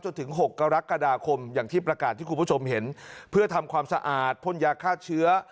ถึง๖กรกฎาคมอย่างที่ประกาศที่คุณผู้ชมเห็นเพื่อทำความสะอาดพ่นยาฆ่าเชื้อ